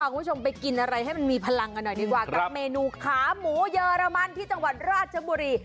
คุณผู้ชมไปกินอะไรให้มันมีพลังกันหน่อยดีกว่ากับเมนูขาหมูเยอรมันที่จังหวัดราชบุรี